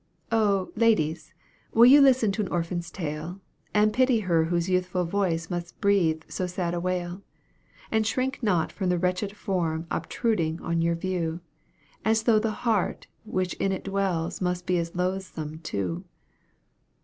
Oh, ladies, will you listen to a little orphan's tale? And pity her whose youthful voice must breathe so sad a wail; And shrink not from the wretched form obtruding on your view. As though the heart which in it dwells must be as loathsome too.